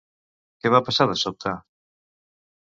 Què va passar de sobte?